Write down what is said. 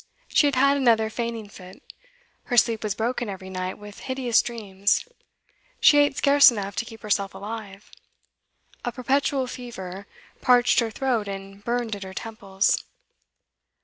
She had had another fainting fit; her sleep was broken every night with hideous dreams; she ate scarce enough to keep herself alive; a perpetual fever parched her throat and burned at her temples.